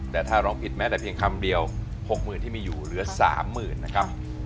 แต่ถ้าร้องผิดแม้แต่เพียงคำเดียว๖๐๐๐ที่มีอยู่เหลือ๓๐๐๐นะครับ